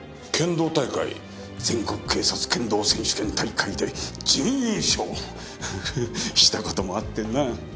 全国警察剣道選手権大会で準優勝した事もあってなあ。